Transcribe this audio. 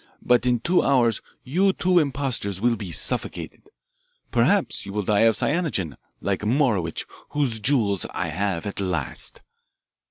But in two hours you two impostors will be suffocated perhaps you will die of cyanogen, like Morowitch, whose jewels I have at last."